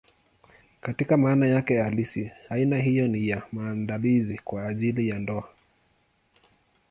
Katika maana yake halisi, aina hiyo ni ya maandalizi kwa ajili ya ndoa.